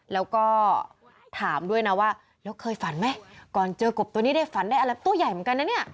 แล้วก็ถามด้วยนะว่าแล้วเคยฝันไหมก่อนเจอกบตัวนี้ได้ฝันได้อะไรตัวใหญ่เหมือนกันนะเนี่ย